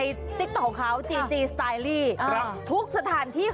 หรอพี่ดาว